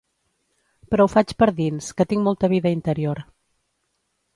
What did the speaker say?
Però ho faig per dins, que tinc molta vida interior.